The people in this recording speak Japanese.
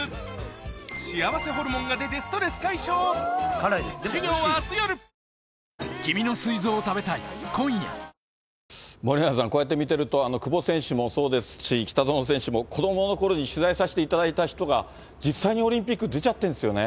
あの逆境を乗り越えれたっていうのを考えると、本当に、森永さん、こうやって見てると、久保選手もそうですし、北園選手も子どものころに、取材させていただいた人が、実際にオリンピック出ちゃってるんですよね。